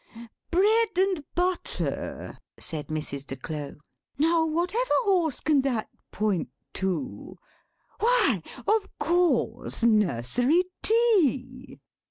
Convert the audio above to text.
"Bread and Butter," said Mrs. de Claux, "now, whatever horse can that point to? Why—of course; Nursery Tea!"